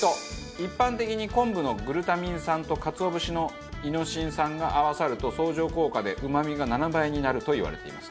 一般的に昆布のグルタミン酸とかつお節のイノシン酸が合わさると相乗効果でうまみが７倍になるといわれています。